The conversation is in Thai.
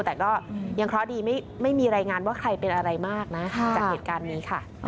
แต่ก็ยังเคราะห์ดีไม่มีรายงานว่าใครเป็นอะไรมากนะจากเหตุการณ์นี้ค่ะ